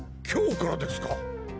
今日からですか